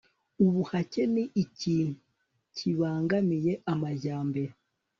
ubuhake ni ikintu kibangamiye amajyambere